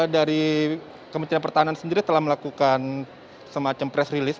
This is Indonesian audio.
dari kementerian pertahanan sendiri telah melakukan semacam press release